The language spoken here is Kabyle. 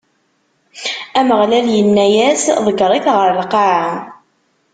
Ameɣlal inna-as: Ḍegger-it ɣer lqaɛa!